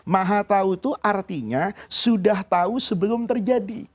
maha tahu itu artinya sudah tahu sebelum terjadi